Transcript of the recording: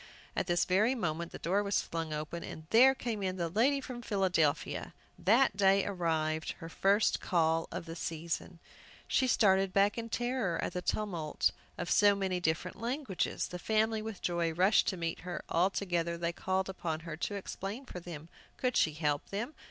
at this very moment the door was flung open, and there came in the lady from Philadelphia, that day arrived, her first call of the season! She started back in terror at the tumult of so many different languages! The family, with joy, rushed to meet her. All together they called upon her to explain for them. Could she help them?